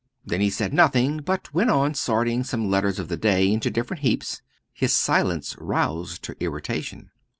Then he said nothing; but went on sorting some letters of the day into different heaps. His silence roused her irritation.